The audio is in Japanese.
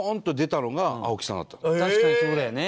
確かにそうだよね。